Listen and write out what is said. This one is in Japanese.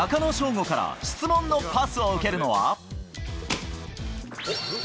伍から質問のパスを受けるのは。